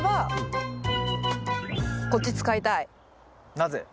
なぜ？